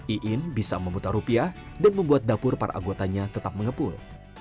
iin bisa memutar rupiah dan membuat dapur para anggotanya tetap mengepul